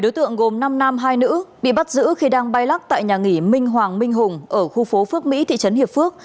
ba đối tượng gồm năm nam hai nữ bị bắt giữ khi đang bay lắc tại nhà nghỉ minh hoàng minh hùng ở khu phố phước mỹ thị trấn hiệp phước